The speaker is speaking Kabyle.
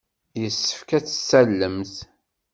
Yessefk ad tt-tallemt.